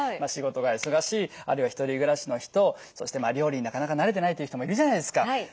仕事が忙しいあるいは１人暮らしの人そして料理になかなか慣れてないっていう人もいるじゃないですか。